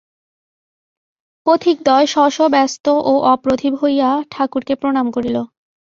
পথিকদ্বয় শশব্যস্ত ও অপ্রতিভ হইয়া ঠাকুরকে প্রণাম করিল।